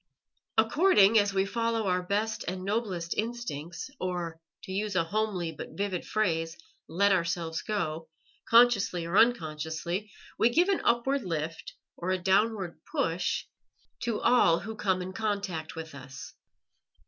According as we follow our best and noblest instincts, or, to use a homely but vivid phrase, let ourselves go, consciously or unconsciously, we give an upward lift or a downward push to all who come in contact with us.